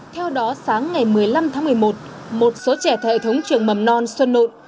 theo đó sáng ngày một mươi năm tháng một mươi một một số trẻ theo hệ thống trường mầm non xuân nụ